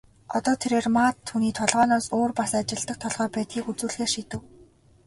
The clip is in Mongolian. Одоо тэрээр Мад түүний толгойноос өөр бас ажилладаг толгой байдгийг үзүүлэхээр шийдэв.